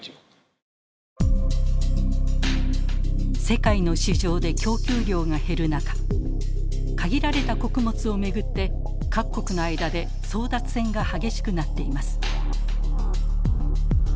世界の市場で供給量が減る中限られた穀物を巡って各国の間で争奪戦が激しくなっています。